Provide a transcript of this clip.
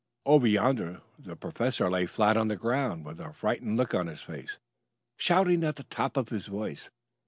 Over yonder the professor lay flat on the ground with a frightened look on his face, shouting at the top of his voice.